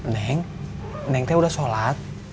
neng neng udah sholat